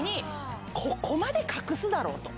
ここまで隠すだろう！と。